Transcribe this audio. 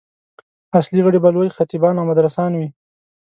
اصلي غړي به لوی خطیبان او مدرسان وي.